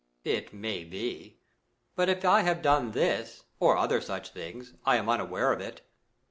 It may be. But if I have done this, or other such things, I am unaware of it.